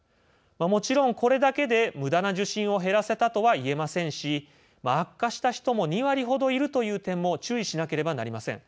もちろんこれだけで無駄な受診を減らせたとは言えませんし悪化した人も２割ほどいるという点も注意しなければなりません。